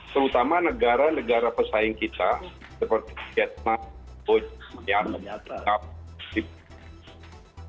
terutama negara negara pesaing kita seperti vietnam hoi an jakarta indonesia